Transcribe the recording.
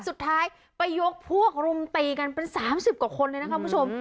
สุดท้ายไปยกพวกรุมตีกันเป็น๓๐กว่าคนเลยนะคะคุณผู้ชม